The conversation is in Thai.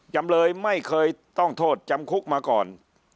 จำเลยไม่เคยต้องโทษจำคุกมาก่อน